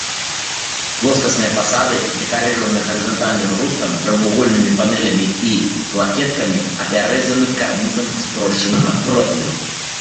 Плоскасныя фасады дэкарыраваны гарызантальным рустам, прамавугольнымі панэлямі і плакеткамі, апяразаны карнізам спрошчанага профілю.